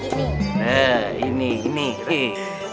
ini gak ikutan ustadz